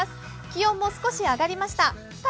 気温も少し上がりました。